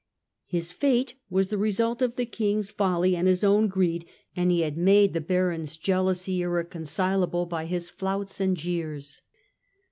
His fate was the result of the king's folly and his own greed; and he had made the barons' jealousy irreconcilable by his flouts and jeers.